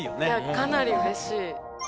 かなりうれしい。